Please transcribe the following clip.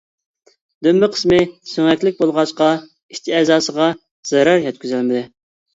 دۈمبە قىسمى سۆڭەكلىك بولغاچقا ئىچ ئەزاسىغا زەرەر يەتكۈزەلمىدى.